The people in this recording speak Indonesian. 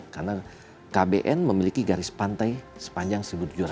karena kbn memiliki garis pantai sepanjang satu tujuh ratus